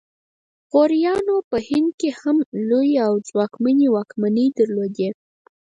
غوریانو په هند کې هم لویې او ځواکمنې واکمنۍ درلودې